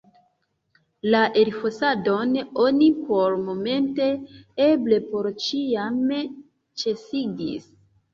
La elfosadon oni pormomente, eble por ĉiam, ĉesigis.